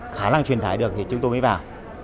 khả năng truyền thải được thì chúng tôi mới vào